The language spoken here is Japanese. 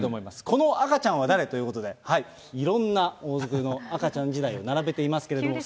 この赤ちゃんは誰ということで、いろんな王族の赤ちゃん時代を並べてますけども。